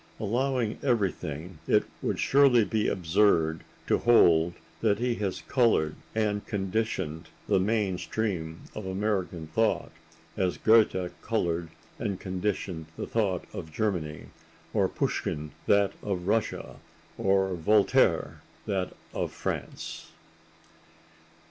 Allowing everything, it would surely be absurd to hold that he has colored and conditioned the main stream of American thought as Goethe colored and conditioned the thought of Germany, or Pushkin that of Russia, or Voltaire that of France....